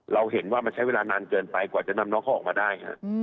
เราเห็นว่ามันใช้เวลานานเกินไปกว่าจะนำน้องเขาออกมาได้